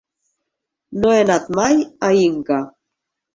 No he anat mai a Inca.